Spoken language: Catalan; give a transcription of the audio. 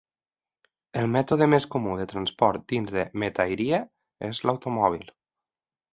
El mètode més comú de transport dins de Metairie és l'automòbil.